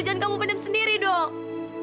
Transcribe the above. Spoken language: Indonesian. jangan kamu padam sendiri dong